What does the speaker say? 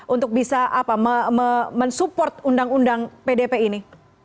untuk bisa mensupport undang undang pdp ini